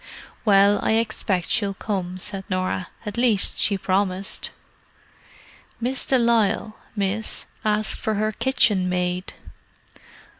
"Well, I expect she'll come," said Norah. "At least she promised." "Miss de Lisle, miss, asked for her kitchenmaid."